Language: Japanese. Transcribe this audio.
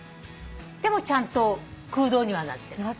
でもちゃんと空洞にはなってる。